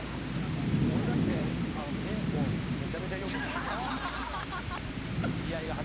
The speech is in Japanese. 俺だって「ピンポン」めちゃめちゃ見てた。